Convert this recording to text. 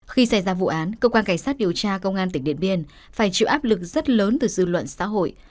khi xảy ra vụ án cơ quan cảnh sát điều tra công an tỉnh điện biên phải chịu áp lực rất lớn từ dư luận xã hội